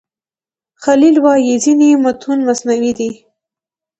خلیل وايي ځینې متون مصنوعي دي.